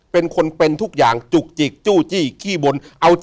เป็นคนเป็นทุกอย่างจุกจิกจู้จี้ขี้บน